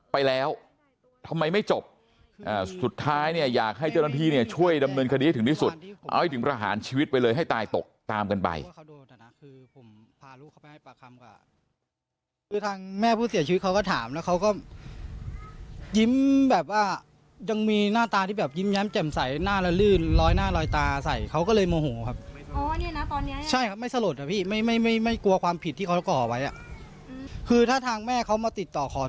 ไปแล้วทำไมไม่จบสุดท้ายเนี่ยอยากให้เจ้าหน้าที่เนี่ยช่วยดำเนินคดีให้ถึงที่สุดเอาให้ถึงประหารชีวิตไปเลยให้ตายตกตามกันไป